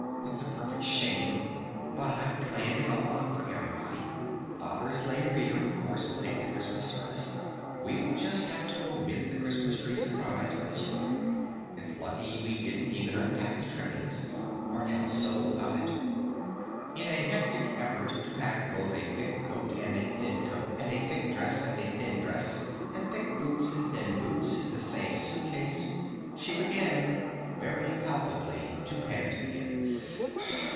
It's a perfect shame! But I've planned it all out for everybody! Father's Lay Reader, of course, will take the Christmas service! We'll just have to omit the Christmas Tree surprise for the children!... It's lucky we didn't even unpack the trimmings! Or tell a soul about it." In a hectic effort to pack both a thick coat and a thin coat and a thick dress and a thin dress and thick boots and thin boots in the same suit case she began very palpably to pant again.